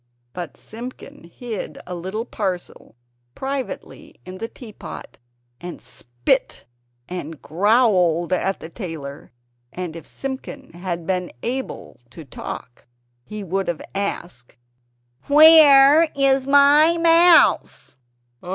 But Simpkin hid a little parcel privately in the tea pot, and spit and growled at the tailor; and if Simpkin had been able to talk, he would have asked: "Where is my MOUSE?"